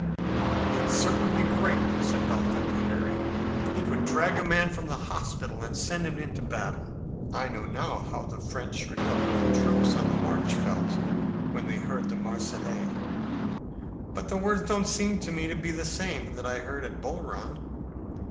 "It's certainly great," said Dalton to Harry. "It would drag a man from the hospital and send him into battle. I know now how the French republican troops on the march felt when they heard the Marseillaise." "But the words don't seem to me to be the same that I heard at Bull Run."